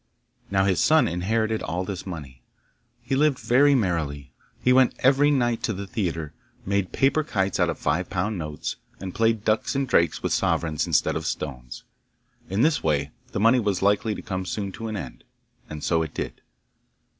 Now his son inherited all this money. He lived very merrily; he went every night to the theatre, made paper kites out of five pound notes, and played ducks and drakes with sovereigns instead of stones. In this way the money was likely to come soon to an end, and so it did.